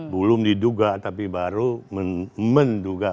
belum diduga tapi baru menduga